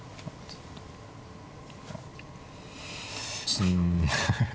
うん。